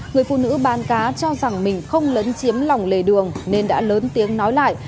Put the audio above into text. người phụ nữ bán cá cho rằng mình không lấn chiếm lòng lề đường nên đã lớn tiếng nói lại